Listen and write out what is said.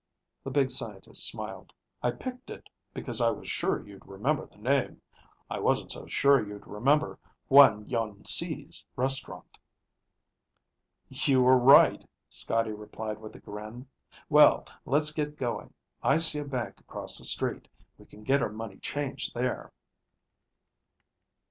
The big scientist smiled. "I picked it because I was sure you'd remember the name. I wasn't so sure you'd remember Huan Yuan See's Restaurant." "You were right," Scotty replied with a grin. "Well, let's get going. I see a bank across the street. We can get our money changed there."